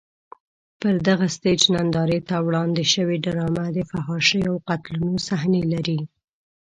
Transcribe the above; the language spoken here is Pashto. پر دغه سټېج نندارې ته وړاندې شوې ډرامه د فحاشیو او قتلونو صحنې لري.